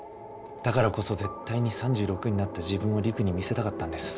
だからこそ絶対に３６になった自分を璃久に見せたかったんです。